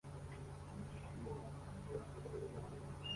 Umusiganwa ku ipikipiki yegamiye igare rye